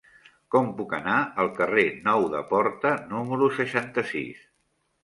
Com puc anar al carrer Nou de Porta número seixanta-sis?